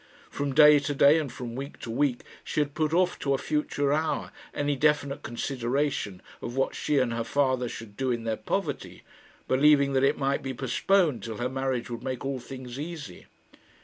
From day to day and from week to week she had put off to a future hour any definite consideration of what she and her father should do in their poverty, believing that it might be postponed till her marriage would make all things easy.